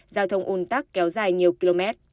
giao thông un tắc kéo dài nhiều km